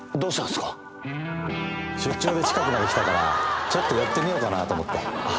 出張で近くまで来たから、ちょっと寄ってみようかなと思って。